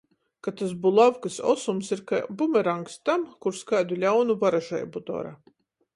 Ka tys bulavkys osums ir kai bumerangs tam, kurs kaidu ļaunu varažeibu dora.